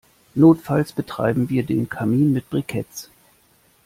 Notfalls betreiben wir den Kamin mit Briketts.